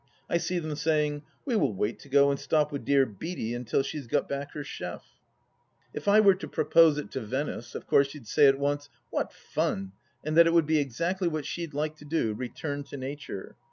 I see them saying, " We will wait to go and stop with dear Beaty until she has got back her chef !" If I were to propose it to Venice, of course she'd say at once, " What fun !" and that it would be exactly what she'd like to do — ^return to Nature.